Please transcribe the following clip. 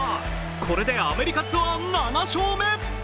これでアメリカツアー７勝目。